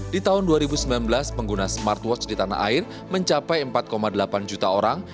di tahun dua ribu sembilan belas pengguna smartwatch di tanah air mencapai empat delapan juta orang